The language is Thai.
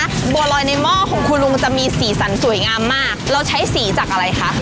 บัวลอยในหม้อของคุณลุงมันจะมีสีสันสวยงามมากเราใช้สีจากอะไรคะ